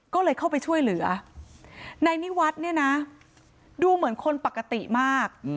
ก็เลยเข้าไปช่วยเหลือนายนิวัฒน์เนี่ยนะดูเหมือนคนปกติมาก